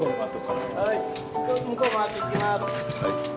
はいはい。